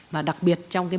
và đặc biệt là tổng cộng đồng